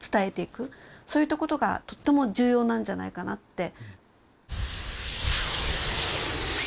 そういったことがとっても重要なんじゃないかなって。